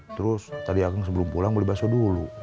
terus tadi akang sebelum pulang beli baso dulu